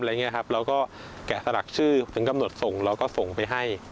เราก็แกะสลักชื่อถึงกำหนดส่งเราก็ส่งไปให้